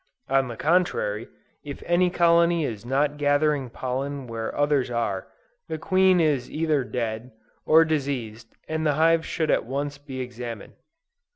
On the contrary, if any colony is not gathering pollen when others are, the queen is either dead, or diseased, and the hive should at once be examined.